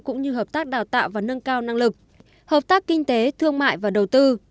cũng như hợp tác đào tạo và nâng cao năng lực hợp tác kinh tế thương mại và đầu tư